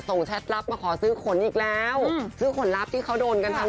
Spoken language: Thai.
แชทลับมาขอซื้อขนอีกแล้วซื้อขนลับที่เขาโดนกันทั้ง